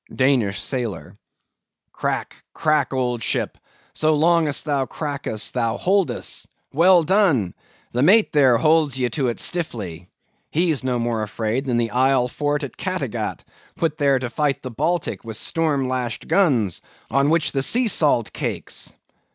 DANISH SAILOR. Crack, crack, old ship! so long as thou crackest, thou holdest! Well done! The mate there holds ye to it stiffly. He's no more afraid than the isle fort at Cattegat, put there to fight the Baltic with storm lashed guns, on which the sea salt cakes!